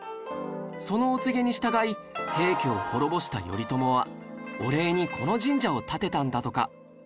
そのお告げに従い平家を滅ぼした頼朝はお礼にこの神社を建てたんだとか